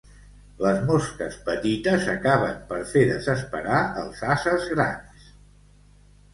Les mosques petites acaben per fer desesperar els ases grans.